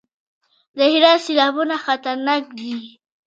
د هرات سیلابونه خطرناک دي